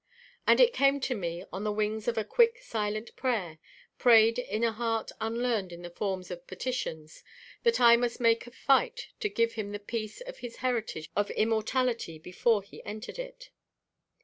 And it came to me on the wings of a quick, silent prayer, prayed in a heart unlearned in the forms of petitions, that I must make a fight to give him the peace of his heritage of immortality before he entered it.